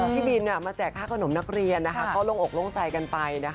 พี่บินมาแจกห้ากระหน่มนักเรียนลงอกใจกันไป